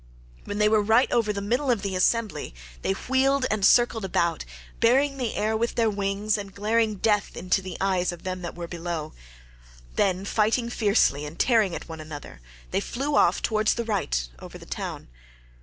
When they were right over the middle of the assembly they wheeled and circled about, beating the air with their wings and glaring death into the eyes of them that were below; then, fighting fiercely and tearing at one another, they flew off towards the right over the town.